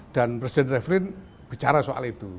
dan presiden rivlin bicara soal itu